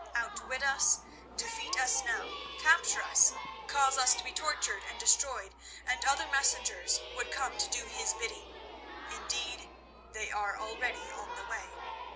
Outwit us, defeat us now, capture us, cause us to be tortured and destroyed, and other messengers would come to do his bidding— indeed, they are already on the way.